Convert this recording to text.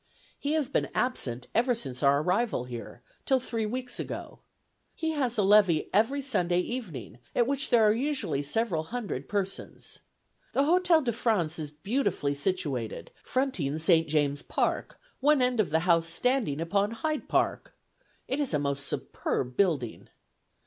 He has been absent ever since our arrival here, till three weeks ago. He has a levee every Sunday evening, at which there are usually several hundred persons. The Hotel de France is beautifully situated, fronting St. James's Park, one end of the house standing upon Hyde Park. It is a most superb building.